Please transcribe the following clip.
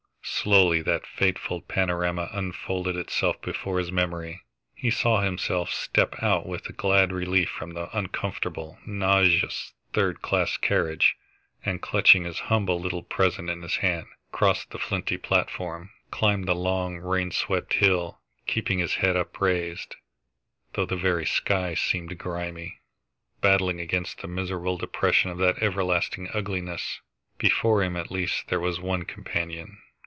Slowly that fateful panorama unfolded itself before his memory. He saw himself step out with glad relief from the uncomfortable, nauseous, third class carriage, and, clutching his humble little present in his hand, cross the flinty platform, climb the long, rain swept hill, keeping his head upraised, though the very sky seemed grimy, battling against the miserable depression of that everlasting ugliness. Before him, at least, there was his one companion.